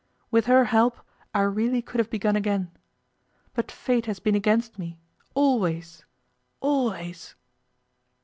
With her help I really could have begun again. But Fate has been against me always! always!